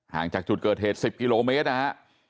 จากจุดเกิดเหตุ๑๐กิโลเมตรนะฮะ